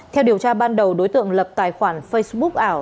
theo điều tra ban đầu đối tượng lập tài khoản facebook ảo